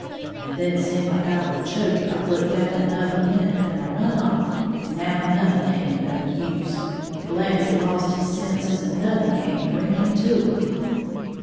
And then seemed like I would choke if I looked at him another minute, and I run off. And now nothing haint no use, Blant's lost his senses, and nothing can't bring him to 'em!"